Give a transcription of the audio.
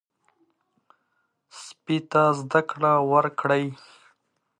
سپي ته زده کړه ورکړئ.